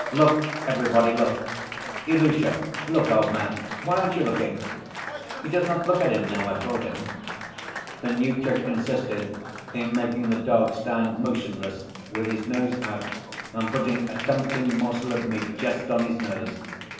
Look, everybody, look, Ilusha, look, old man; why aren't you looking? He does not look at him, now I've brought him." The new trick consisted in making the dog stand motionless with his nose out and putting a tempting morsel of meat just on his nose.